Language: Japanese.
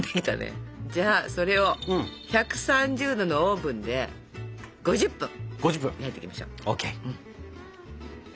じゃあそれを１３０℃のオーブンで５０分焼いていきましょう。